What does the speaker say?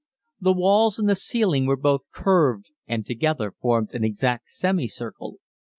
The walls and the ceiling were both curved and together formed an exact semicircle.